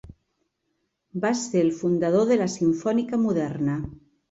Va ser el fundador de la simfònica moderna.